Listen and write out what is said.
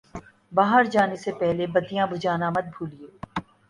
باہر جانے سے پہلے بتیاں بجھانا مت بھولئے